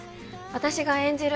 私が演じる